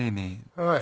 おい。